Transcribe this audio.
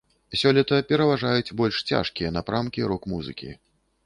Сёлета пераважаюць больш цяжкія напрамкі рок-музыкі.